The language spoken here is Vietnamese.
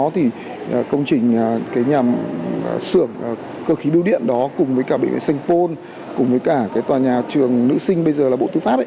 thì công trình nhà sửa cơ khí biêu điện đó cùng với cả bệnh viện saint paul cùng với cả tòa nhà trường nữ sinh bây giờ là bộ tư pháp